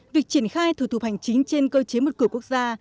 việc triển khai thủ tục hành chính trên cơ chế một cửa quốc gia